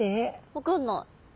分かんない。